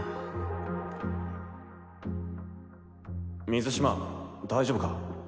水嶋大丈夫か？